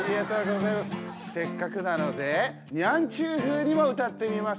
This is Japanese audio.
せっかくなのでニャンちゅう風にも歌ってみます。